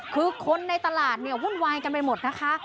คือคนในตลาดหุ้นวายกันไปหมดนะคะ